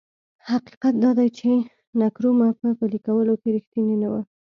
حقیقت دا دی چې نکرومه په پلي کولو کې رښتینی نه و.